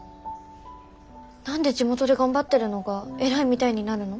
何で地元で頑張ってるのが偉いみたいになるの？